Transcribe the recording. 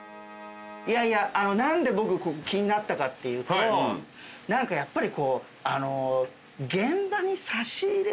いやいや何で僕ここ気になったかっていうと何かやっぱりこう。